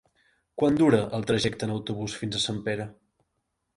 Quant dura el trajecte en autobús fins a Sempere?